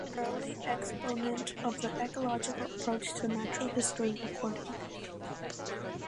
He was an early exponent of the ecological approach to natural history recording.